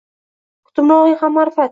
Kutilmog’ing ham ma’rifat.